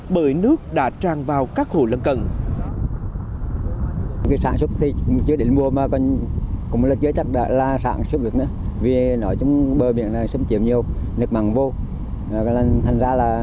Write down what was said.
bởi nước đã tràn vào các hồ lân cận